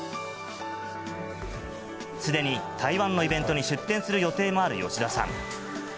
すでに台湾のイベントに出店する予定もある吉田さん。